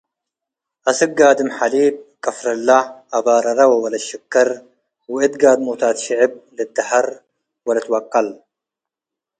አስክ ጋድም-ሐሊብ፣ ቅፍርለ፡ አባረረ ወወለት-ሽከር ወእት ጋድሞታት ሽዕብ ልትደሀር ወልትወቀል ።